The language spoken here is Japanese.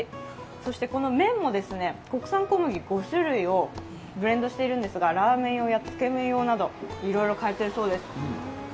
そして、この麺も国産小麦５種類をブレンドしているんですがラーメン用やつけ麺用など、いろいろ変えているそうです。